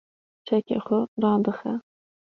çekê xwe radixe